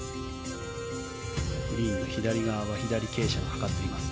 グリーンの左側は左傾斜がかかっています。